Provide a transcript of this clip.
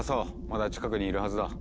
まだ近くにいるはずだ。